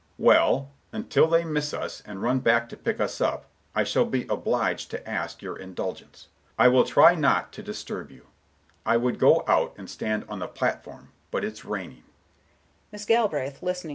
Mr. Richards: "Well, until they miss us, and run back to pick us up, I shall be obliged to ask your indulgence. I will try not to disturb you; I would go out and stand on the platform, but it's raining."